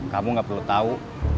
kamu gak perlu tau